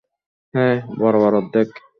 হ্যাঁ, বরাবর অর্ধেক।